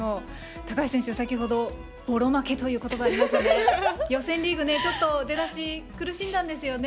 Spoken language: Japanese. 高橋選手、先ほどボロ負けという言葉がありましたが予選リーグ、ちょっと出だし苦しんだんですよね。